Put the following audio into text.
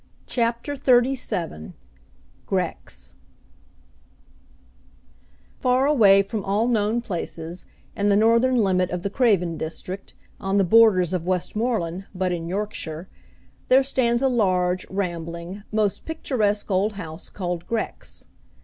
CHAPTER XXXVII Grex Far away from all known places, in the northern limit of the Craven district, on the borders of Westmorland but in Yorkshire, there stands a large, rambling, most picturesque old house called Grex.